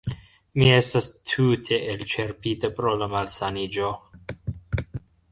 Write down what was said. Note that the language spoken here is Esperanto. Mi estas tute elĉerpita pro la malsaniĝo